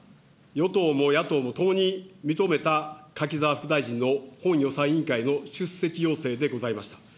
与党も野党もともに認めた、柿沢副大臣の本予算委員会の出席要請でございました。